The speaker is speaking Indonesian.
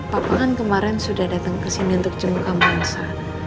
papa kan kemarin sudah datang kesini untuk jemput sama elsa